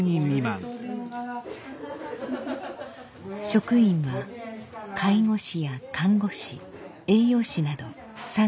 職員は介護士や看護師栄養士など３３人。